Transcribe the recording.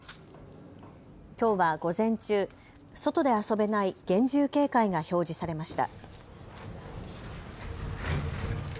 きょうは午前中、外で遊べない厳重警戒が表示されました。